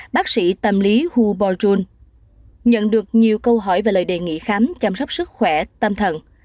bác sĩ tâm lý hu bojun nhận được nhiều câu hỏi và lời đề nghị khám chăm sóc sức khỏe tâm thần